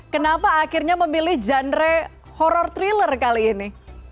kenapa akhirnya memilih genre horror thriller kali ini